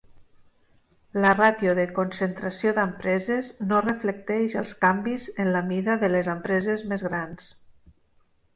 La ràtio d'n concentració d'empreses no reflecteix els canvis en la mida de les empreses més grans.